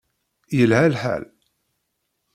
Yelha lḥal.